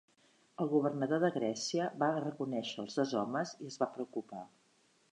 El governador de Grècia va reconèixer els dos homes i es va preocupar.